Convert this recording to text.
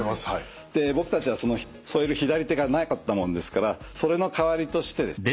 で僕たちはその添える左手がなかったもんですからそれの代わりとしてですね